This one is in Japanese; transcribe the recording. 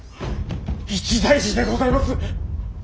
一大事でございます。